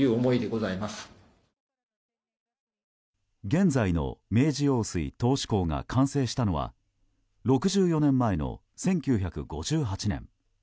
現在の明治用水頭首工が完成したのは６４年前の１９５８年。